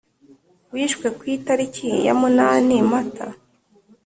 wishwe ku itariki ya munani mata